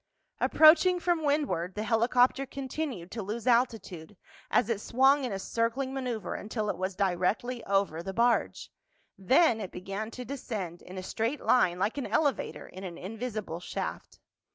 Approaching from windward, the helicopter continued to lose altitude as it swung in a circling maneuver until it was directly over the barge. Then it began to descend in a straight line like an elevator in an invisible shaft.